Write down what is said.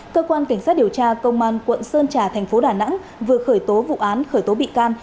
cơ quan cảnh sát điều tra công an quận sơn trà thành phố đà nẵng vừa khởi tố vụ án khởi tố bị can